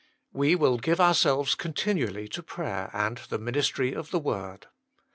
"We will give ourselves continually to prayer and the ministry of the word. .